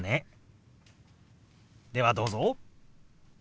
ではどうぞ。